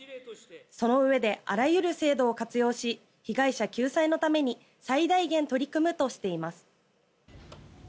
そのうえであらゆる制度を活用し被害者救済のために最大限取り組むとしています。